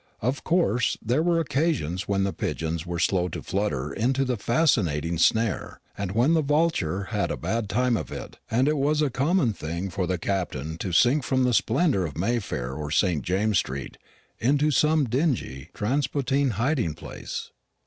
Of course there were occasions when the pigeons were slow to flutter into the fascinating snare, and when the vulture had a bad time of it; and it was a common thing for the Captain to sink from the splendour of Mayfair or St. James's street into some dingy transpontine hiding place.